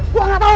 gue gak tahu